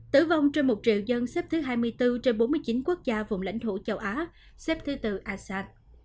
tử vong trên một triệu dân xếp thứ hai mươi bốn trên bốn mươi chín quốc gia vùng lãnh thổ châu á xếp thứ từ asan